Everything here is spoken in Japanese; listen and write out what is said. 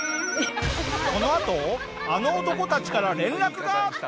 このあとあの男たちから連絡が！